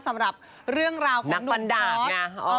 สำหรับเรื่องราวของหนุ่มพอร์ชนักฟันดากนะ